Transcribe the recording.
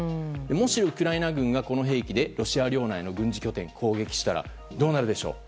もし、ウクライナ軍がこの兵器でロシア領内の軍事拠点を攻撃したらどうなるでしょう。